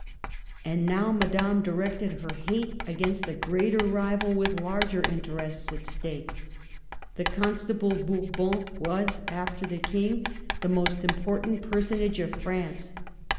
And now Madame directed her hate against a greater rival with larger interests at stake. The Constable Bourbon was, after the King, the most important personage of France.